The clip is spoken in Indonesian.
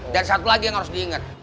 dan satu lagi yang harus diingat